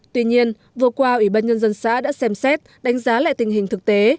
tuy nhiên vừa qua ủy ban nhân dân xã đã xem xét đánh giá lại tình hình thực tế